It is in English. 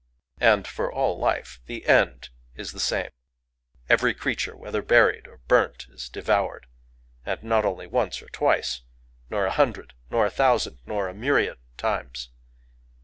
And for all life the end is the same: every creature, whether buried or burnt, is devoured,—and not only once or twice,—nor a hundred, nor a thousand, nor a myriad times!